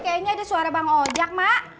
kayaknya ini suara bang ojak mak